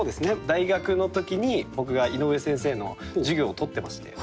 大学の時に僕が井上先生の授業を取ってまして。